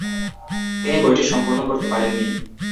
তিনি বইটি সম্পূর্ণ করতে পারেননি।